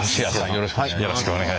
よろしくお願いします。